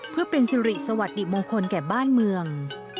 เพื่อเป็นสิริสวัสดิมงคลแก่บ้านเมือง